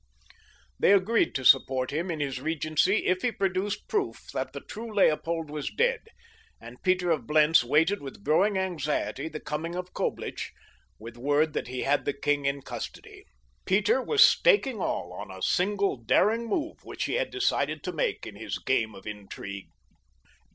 They agreed to support him in his regency if he produced proof that the true Leopold was dead, and Peter of Blentz waited with growing anxiety the coming of Coblich with word that he had the king in custody. Peter was staking all on a single daring move which he had decided to make in his game of intrigue.